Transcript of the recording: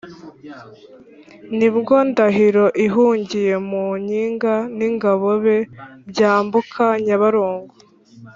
nibwondahiro ihungiye mu nkiga n’ingabo be byambuka nyabarongo.